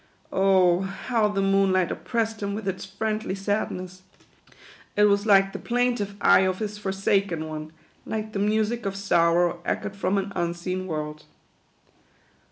Oh, how the moonlight oppress ed him with its friendly sadness ! It was like the plaintive eye of his forsaken one ; like the music of sorrow echoed from an unseen world.